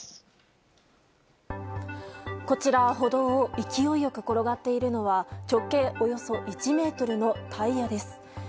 こちら、歩道を勢い良く転がっているのは直径およそ１ｍのタイヤです。